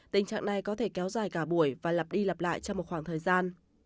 tình trạng này có thể kéo dài cả buổi và lặp đi lặp lại trong một khoảng thời gian